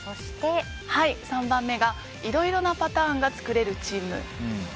３番目がいろいろなパターンが作れるチーム。